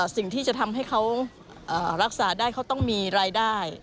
สิ่งที่จะทำให้เขารักษาได้เขาต้องมีรายได้